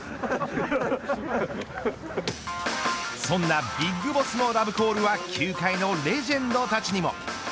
そんなＢＩＧＢＯＳＳのラブコールは球界のレジェンドたちにも。